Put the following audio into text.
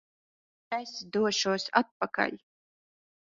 Es došos atpakaļ!